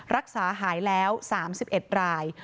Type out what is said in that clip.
รักษาหายแล้ว๓๑ราย